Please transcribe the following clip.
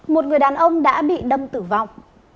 một người đàn ông đã bị đâm tử vong